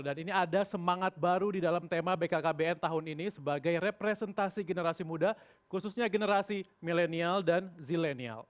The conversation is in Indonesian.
dan ini ada semangat baru di dalam tema bkkbn tahun ini sebagai representasi generasi muda khususnya generasi milenial dan zilenial